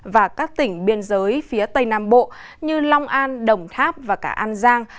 và các tỉnh biên giới phía tây nam bộ như long an đồng tháp và cả an giang